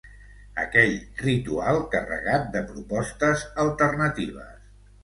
Aquell ritual carregat de propostes alternatives...